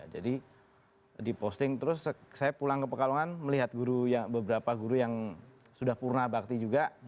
jadi diposting terus saya pulang ke pekalongan melihat beberapa guru yang sudah purna bakti juga